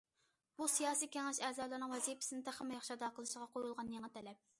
بۇ سىياسىي كېڭەش ئەزالىرىنىڭ ۋەزىپىسىنى تېخىمۇ ياخشى ئادا قىلىشىغا قويۇلغان يېڭى تەلەپ.